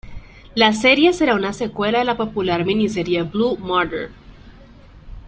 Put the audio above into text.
La serie será una secuela de la popular miniserie "Blue Murder".